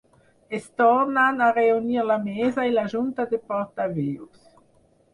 Es tornen a reunir la mesa i la junta de portaveus.